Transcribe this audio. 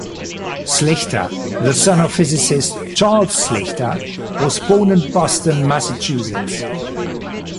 Slichter, the son of physicist Charles Slichter, was born in Boston, Massachusetts.